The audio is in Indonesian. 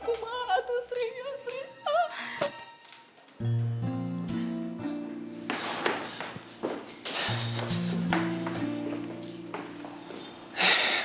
aku maaf atuh sering ya sering